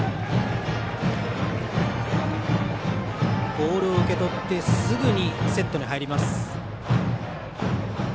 ボールを受け取ってすぐにセットに入ります。